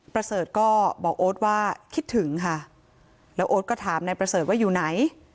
ประเสริฐก็บอกโอ๊ตว่าคิดถึงค่ะแล้วโอ๊ตก็ถามนายประเสริฐว่าอยู่ไหน